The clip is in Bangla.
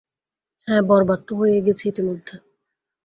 হা, বরবাদ তো হয়েই গেছে ইতিমধ্যে।